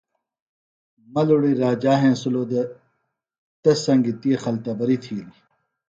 ملُڑی راجا ہینسِلوۡ دےۡ تس سنگیۡ تی خلتبریۡ تھیلیۡ